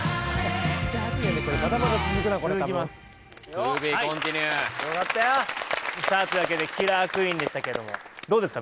ｔｏｂｅｃｏｎｔｉｎｕｅｄよかったよさあというわけでキラークイーンでしたけどもどうですか？